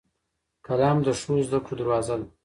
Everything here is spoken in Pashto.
قلم د ښو زدهکړو دروازه ده